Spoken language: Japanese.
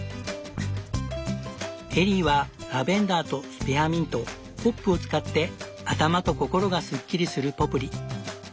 エリーはラベンダーとスペアミントホップを使って頭と心がすっきりするポプリ。